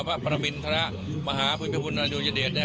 พระประมินทรมาหาภูมิพลอดุญเดช